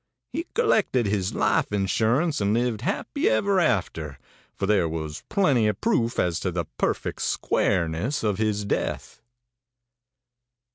He collected his life insurance, and lived happy ever after, for there was plenty of proof as to the perfect squareness of his death.